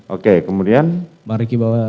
oke kemudian bang riki bahwa